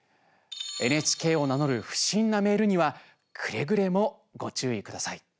ＮＨＫを名乗る不審なメールにはくれぐれもご注意ください。